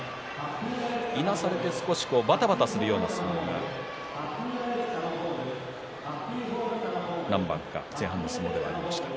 いなされて少しばたばたするような相撲が何番か前半の相撲でありました。